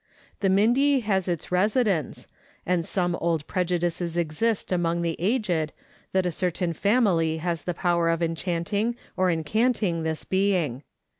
The Mindye has its residence, and some old prejudices exist among the aged that a certain family has the power of enchanting or incanting this being.